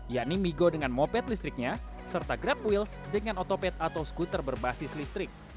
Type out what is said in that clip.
yakni migo dengan moped listriknya serta grab wheels dengan otopet atau skuter berbasis listrik